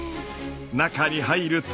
中に入ると。